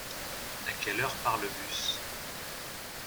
À quelle heure part le bus ?